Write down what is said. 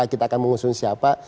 kita akan mengusung siapa